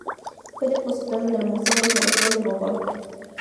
Fue depositado en el Museo de Zoología de Bogor.